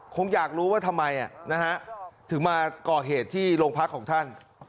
คงอยากรู้ว่าทำไมถึงมาก่อเหตุที่โรงพักของท่าน